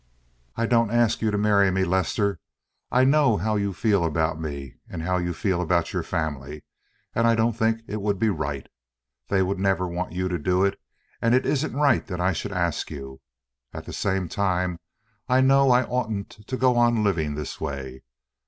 "I don't ask you to marry me, Lester. I know how you feel about me and how you feel about your family, and I don't think it would be right. They would never want you to do it, and it isn't right that I should ask you. At the same time I know I oughtn't to go on living this way.